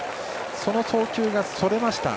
その送球がそれました。